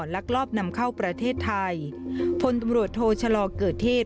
ลักลอบนำเข้าประเทศไทยพลตำรวจโทชะลอเกิดเทศ